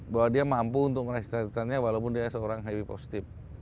bahwa dia mampu untuk meraih cita citanya walaupun dia seorang hiv positif